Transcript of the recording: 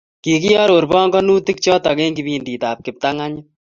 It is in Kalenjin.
Kikiaror panganutik chotok eng kipindit ab kiptanganyit.